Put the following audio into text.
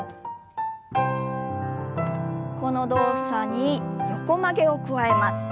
この動作に横曲げを加えます。